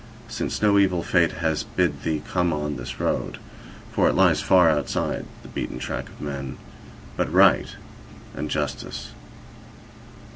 since no evil fate has bid thee come on this road (for it lies far outside the beaten track of men), but right and justice.